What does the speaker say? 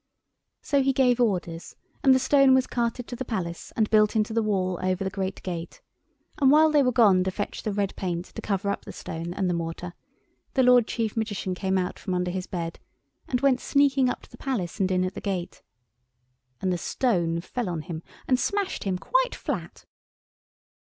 So he gave orders, and the stone was carted to the Palace, and built into the wall over the great gate; and while they were gone to fetch the red paint to cover up the stone and the mortar the Lord Chief Magician came out from under his bed, and went sneaking up to the Palace and in at the gate, and the stone fell on him and smashed him quite flat.